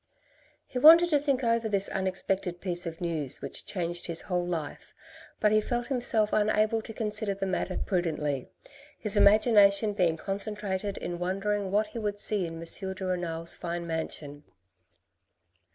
He wanted to think over this un expected piece of news, which changed his whole life, but he felt himself unable to consider the matter prudently, his imagination being concentrated in wondering what he would see in M. de Renal's fine mansion.